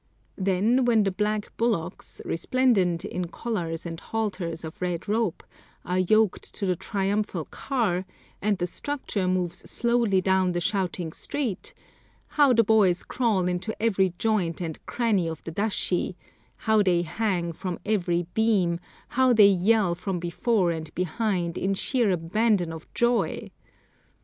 Then, when the black bullocks, resplendent in collars and halters of red rope, are yoked to the triumphal car, and the structure moves slowly down the shouting street, how the boys crawl into every joint and cranny of the dashi, how they hang from every beam, how they yell from before and behind in sheer abandon of joy!